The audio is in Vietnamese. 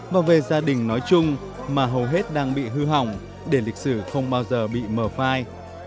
và về gia đình nói chung mà hầu hết đang bị hư hỏng để lịch sử không bao giờ bị mờ phai